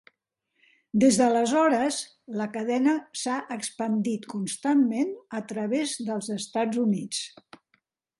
Des d'aleshores, la cadena s'ha expandit constantment a través dels Estats Units.